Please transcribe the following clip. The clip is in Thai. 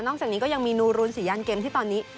จากนี้ก็ยังมีนูรุนศรียันเกมที่ตอนนี้